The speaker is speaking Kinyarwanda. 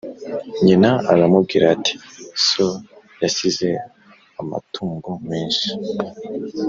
Nyina aramubwira, ati: "So yasize, amatungo menshi